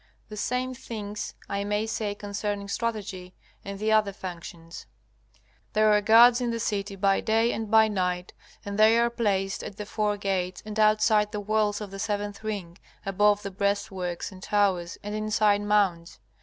The same things I may say concerning strategy and the other functions. There are guards in the city by day and by night, and they are placed at the four gates, and outside the walls of the seventh ring, above the breastworks and towers and inside mounds.